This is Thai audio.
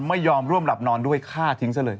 ไม่ยอมร่วมหลับนอนด้วยฆ่าทิ้งซะเลย